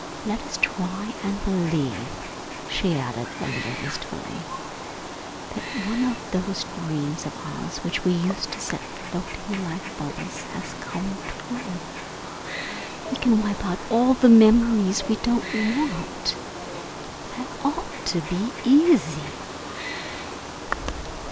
Let us try and believe," she added, a little wistfully, "that one of those dreams of ours which we used to set floating like bubbles, has come true. We can wipe out all the memories we don't want. That ought to be easy."